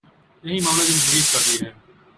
یہی معاملہ جمہوریت کا بھی ہے۔